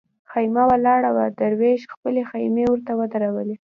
خېمه ولاړه وه دروېش خپلې خېمې ورته ودرولې.